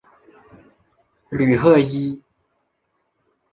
吕赫伊。